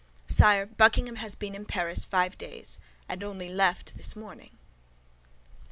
Sire, Buckingham has been in Paris five days, and only left this morning."